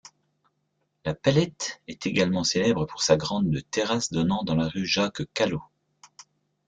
La Palette est également célèbre pour sa grande terrasse donnant dans la rue Jacques-Callot.